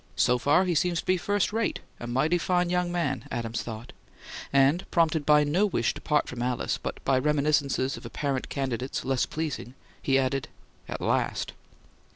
"So far, he seems to be first rate a mighty fine young man," Adams thought; and, prompted by no wish to part from Alice but by reminiscences of apparent candidates less pleasing, he added, "At last!"